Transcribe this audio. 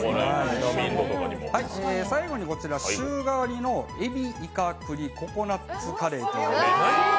最後にこちら、週替わりの海老イカ栗ココナッツカレー。